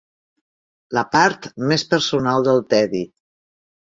La part més personal del tedi.